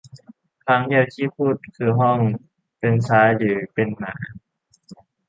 ครั้งเดียวที่พูดคือห้อง เป็นซ้ายหรือเป็นหมา